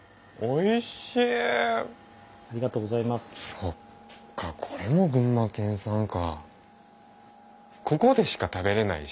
そっかこれも群馬県産か。